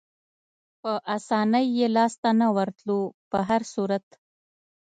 په اسانۍ یې لاسته نه ورتلو، په هر صورت.